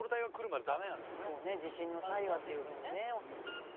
そうね地震の際はというふうにね。